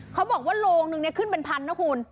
โรงนึงเนี่ยขึ้นเป็นพันนะคุณ